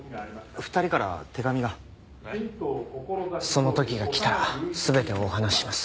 その時が来たら全てお話しします。